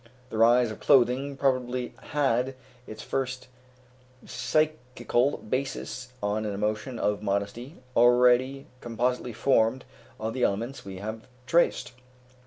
The rise of clothing probably had its first psychical basis on an emotion of modesty already compositely formed of the elements we have traced.